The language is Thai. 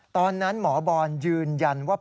ตอนนั้นหมอบอลยืนยันว่า